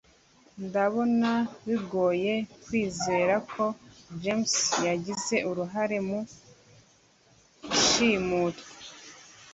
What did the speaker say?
ndabona bigoye kwizera ko james yagize uruhare mu ishimutwa